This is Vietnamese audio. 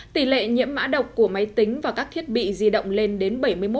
tỷ lệ nhiễm mã độc của máy tính và các thiết bị di động lên đến bảy mươi một ba mươi tám